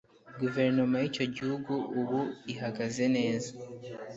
Guverinoma yicyo gihugu ubu ihagaze neza.